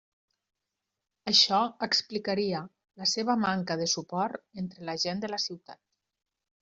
Això explicaria la seva manca de suport entre la gent de la Ciutat.